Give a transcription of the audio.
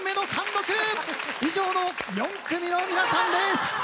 以上の４組の皆さんです！